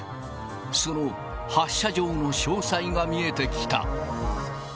その発射場の詳細が見えてきた。